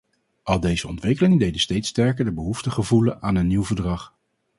Al deze ontwikkelingen deden steeds sterker de behoefte gevoelen aan een nieuw verdrag.